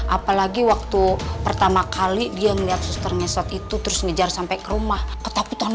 apalagi waktu pertama kali dia ngelihat suster ngesot itu terus ngejar sampai ke rumah ketakutan